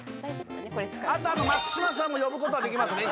あと松島さんも呼ぶことはできますね